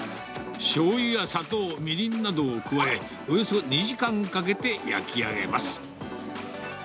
しょうゆや砂糖、みりんなどを加え、およそ２時間かけて焼き上げます。